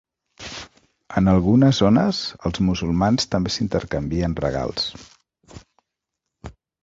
En algunes zones, els musulmans també s'intercanvien regals.